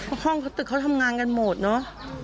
เพราะห้องเขาตึกเขาทำงานกันหมดเนอะ